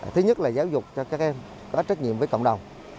thứ nhất là giáo dục cho các em có trách nhiệm với cộng đồng